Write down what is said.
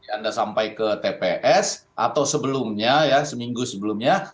anda sampai ke tps atau sebelumnya ya seminggu sebelumnya